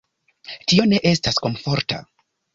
Tio ne estas komforta.